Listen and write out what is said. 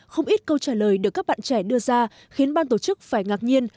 không ít câu trả lời được các bạn trẻ đưa ra khiến ban tổ chức phải ngạc nhiên